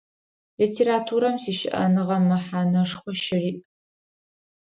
Литературэм сищыӏэныгъэ мэхьанэшхо щыриӏ.